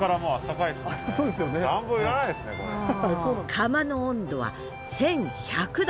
窯の温度は１，１００℃！